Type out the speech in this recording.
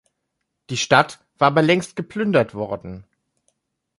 Die Stadt war aber längst geplündert worden.